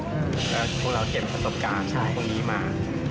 แล้วพวกเราเก็บประสบการณ์พวกนี้มา